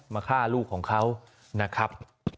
มาฆ่าลูกของเขานะครับ